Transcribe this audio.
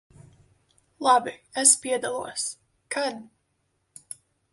Labi, es piedalos. Kad?